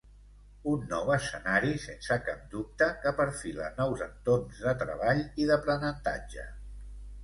Un nou escenari sense cap dubte que perfila nous entorns de treball i d’aprenentatge.